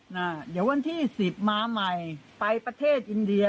นะเดี๋ยววันที่๑๐มาใหม่ไปประเทศอินเดีย